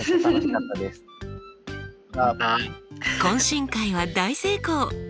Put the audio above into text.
懇親会は大成功！